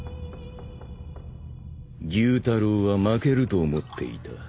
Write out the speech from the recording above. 妓夫太郎は負けると思っていた。